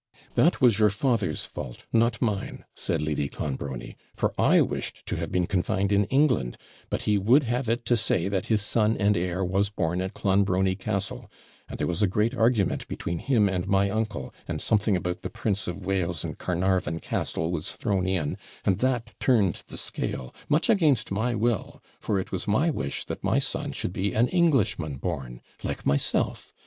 'That was your father's fault, not mine,' said Lady Clonbrony; 'for I wished to have been confined in England; but he would have it to say that his son and heir was born at Clonbrony Castle and there was a great argument between him and my uncle, and something about the Prince of Wales and Caernarvon Castle was thrown in, and that turned the scale, much against my will; for it was my wish that my son should be an Englishman born like myself.